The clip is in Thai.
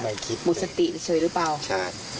ใช่แล้วก็มีแก้วมีหมาบางแก้วตัว